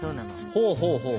ほうほうほうほう。